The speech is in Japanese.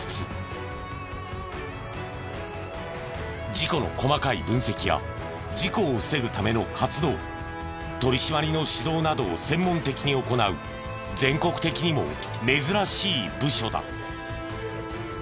事故の細かい分析や事故を防ぐための活動取り締まりの指導などを専門的に行う全国的にも珍しい部署だ。